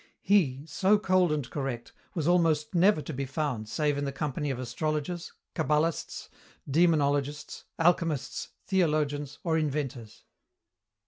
He, so cold and correct, was almost never to be found save in the company of astrologers, cabbalists, demonologists, alchemists, theologians, or inventors.